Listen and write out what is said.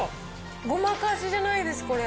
ごまかしじゃないです、これ。